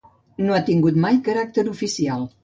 No ha tingut mai caràcter oficial.